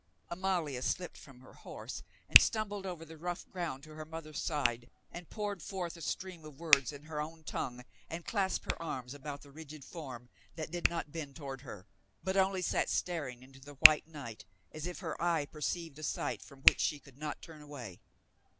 Amalia slipped from her horse and stumbled over the rough ground to her mother's side and poured forth a stream of words in her own tongue, and clasped her arms about the rigid form that did not bend toward her, but only sat staring into the white night as if her eye perceived a sight from which she could not turn away.